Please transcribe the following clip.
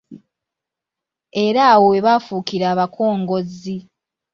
Era awo we baafuukira abakongozzi.